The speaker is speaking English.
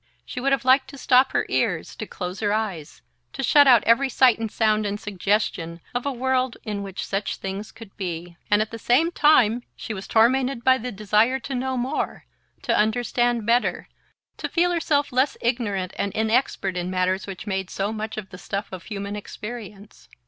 She would have liked to stop her ears, to close her eyes, to shut out every sight and sound and suggestion of a world in which such things could be; and at the same time she was tormented by the desire to know more, to understand better, to feel herself less ignorant and inexpert in matters which made so much of the stuff of human experience.